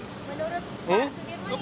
menurut menteri sudirman itu